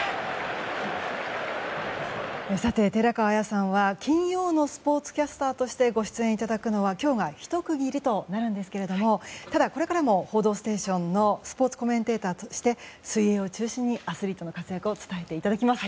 寺川綾さんは金曜日のスポーツキャスターとしてご出演いただくのは今日が一区切りとなるんですがただ、これからも「報道ステーション」のスポーツコメンテーターとして水泳を中心にアスリートの活躍を伝えていただきます。